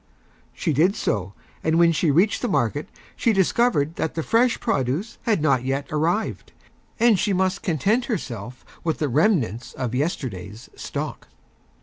She did so, and when she Reached the Market she Discovered that the Fresh Produce had not yet Arrived, and she must Content herself with the Remnants of Yesterday's Stock.